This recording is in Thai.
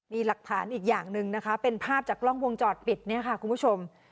มีหลักฐานอีกอย่างหนึ่งนะคะเป็นภาพจากกล้องวงจรปิดเนี่ยค่ะคุณผู้ชม